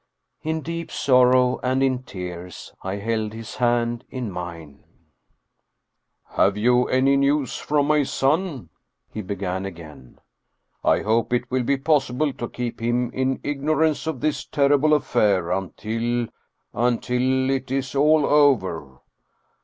In deep sorrow and in tears I held his hand in mine. " Have you any news from my son ?" he began again. " I hope it will be possible to keep him in igno rance of this terrible affair until until it is all over.